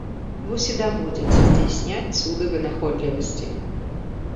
Вось і даводзіцца здзяйсняць цуды вынаходлівасці.